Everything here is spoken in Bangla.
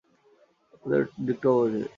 ওদের দিকটাও বোঝ!